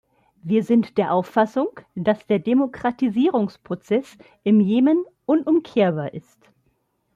Wir sind der Auffassung, dass der Demokratisierungsprozess im Jemen unumkehrbar ist.